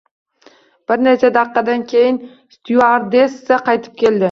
Bir necha daqiqadan keyin styuardessa qaytib keldi